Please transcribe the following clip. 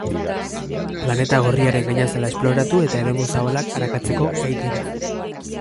Planeta gorriaren gainazala esploratu eta eremu zabalak arakatzeko gai dira.